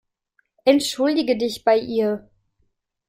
Entschuldige dich bei ihr.